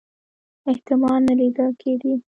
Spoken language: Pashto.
احتمال نه لیده کېدی.